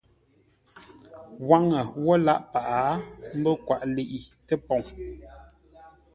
Waŋə wə́ lâʼ paghʼə, ə́ mbə́ kwaʼ ləiʼi tə́poŋ.